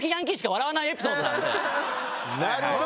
なるほど。